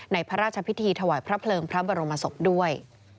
พระราชพิธีถวายพระเพลิงพระบรมศพด้วย